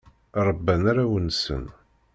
Rebban arraw-nsen.